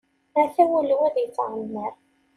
Ata wul-iw ad yettɛemmiṛ.